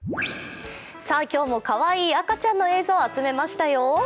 今日もかわいい赤ちゃんの映像を集めましたよ。